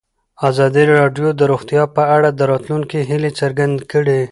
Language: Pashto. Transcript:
ازادي راډیو د روغتیا په اړه د راتلونکي هیلې څرګندې کړې.